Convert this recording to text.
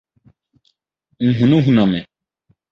Nhunahuna me.